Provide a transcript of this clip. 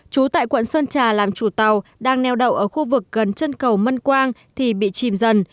chú tại quận sơn trà làm chủ tàu đang neo đậu ở khu vực gần chân cầu mân quang thì bị chìm dần